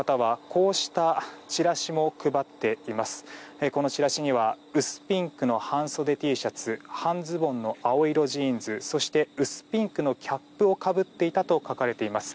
このチラシには薄ピンクの半袖Ｔシャツ半ズボンの青色ジーンズそして、薄ピンクのキャップをかぶっていたと書かれています。